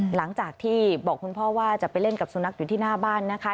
หลังจากที่บอกคุณพ่อว่าจะไปเล่นกับสุนัขอยู่ที่หน้าบ้านนะคะ